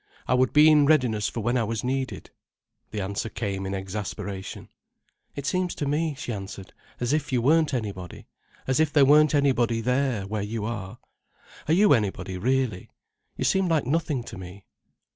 I would be in readiness for when I was needed." The answer came in exasperation. "It seems to me," she answered, "as if you weren't anybody—as if there weren't anybody there, where you are. Are you anybody, really? You seem like nothing to me."